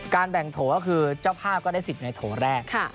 แบ่งโถก็คือเจ้าภาพก็ได้สิทธิ์ในโถแรก